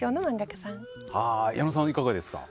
矢野さん、いかがですか？